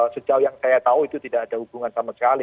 sejauh yang saya tahu itu tidak ada hubungan sama sekali